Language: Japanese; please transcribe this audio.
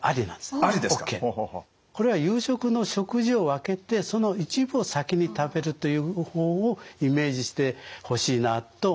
これは夕食の食事を分けてその一部を先に食べるという方法をイメージしてほしいなと思いますね。